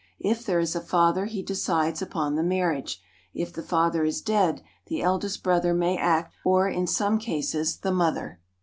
If there is a father he decides upon the marriage. If the father is dead the eldest brother may act, or in some cases the mother.